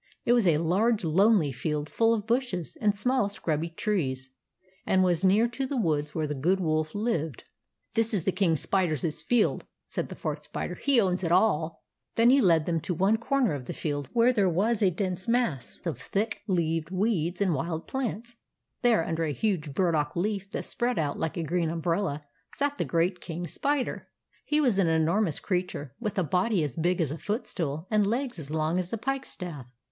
It was a large lonely field full of bushes and small scrubby trees, and was near to the woods where the Good Wolf lived. "This is the King Spider's field," said the Fourth Spider. " He owns it all." Then he led them to one corner of the field where there was a dense mass of thick 8 io6 THE ADVENTURES OF MABEL leaved weeds and wild plants. There, under a huge burdock leaf that spread out like a green umbrella, sat the great King Spider. He was an enormous creature, with a body as big as a footstool, and legs as long as a pikestaff.